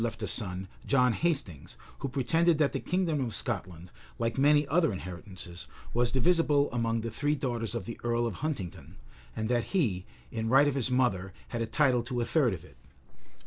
left a son, John Hastings, who pretended that the kingdom of Scotland, like many other inheritances, was divisible among the three daughters of the earl of Huntingdon, and that he, in right of his mother, had a title to a third of it.